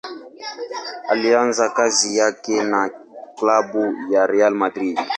Alianza kazi yake na klabu ya Real Madrid.